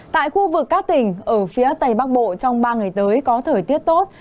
tại khu vực các tỉnh ở phía tây bắc bộ trong ba ngày tới có thời tiết tốt